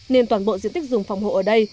nên toàn bộ diện tích rừng phòng hộ ở đây